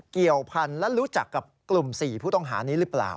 เกี่ยวพันธุ์และรู้จักกับกลุ่ม๔ผู้ต้องหานี้หรือเปล่า